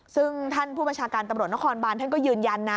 ซึ่งท่านผู้บัญชาการตำรวจนครบานท่านก็ยืนยันนะ